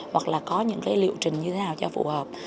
hoặc là có những cái liệu trình như thế nào cho phù hợp